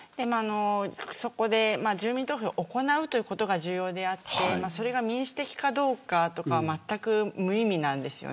そこで住民投票を行うことが重要であってそれが民主的かどうかとかはまったく無意味なんです。